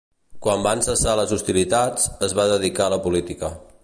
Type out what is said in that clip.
Quan van cessar les hostilitats, es va dedicar a la política.